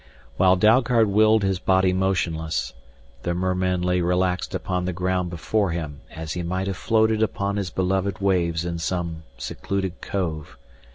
While Dalgard willed his body motionless, the merman lay relaxed upon the ground before him as he might have floated upon his beloved waves in some secluded cove.